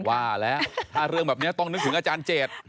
ถ้าเรื่องแบบนี้ต้องนึกถึงอาจารย์เจษฎาเด็นดวมริพันธ์